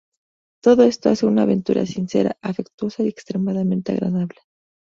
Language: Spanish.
Todo esto hace de una aventura sincera, afectuosa, y extremadamente agradable.